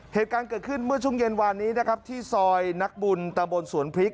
เหตุการณ์เกิดขึ้นเมื่อช่วงเย็นวานนี้นะครับที่ซอยนักบุญตะบนสวนพริก